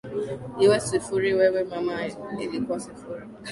iwe sifuri wewe mama ilikuwa sifuri